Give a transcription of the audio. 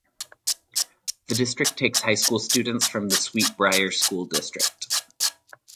The district takes high school students from the Sweet Briar School District.